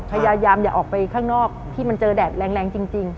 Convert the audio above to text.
พยายามอย่าออกไปข้างนอกที่มันเจอแดดแรงจริง